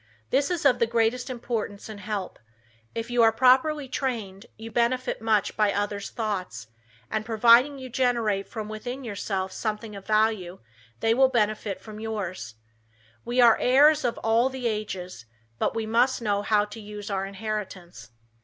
This is of the greatest importance and help. If you are properly trained you benefit much by others' thoughts, and, providing you generate from within yourself something of value, they will benefit from yours. "We are heirs of all the ages," but we must know how to use our inheritance.